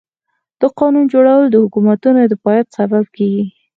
د قانون جوړول د حکومتونو د پايښت سبب کيږي.